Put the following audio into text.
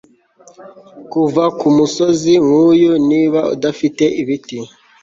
Kuva kumusozi nkuyu niba udafite ibiti